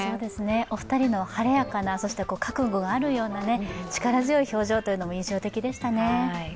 お二人の晴れやかな、そして覚悟のあるような力強い表情も印象的でしたね。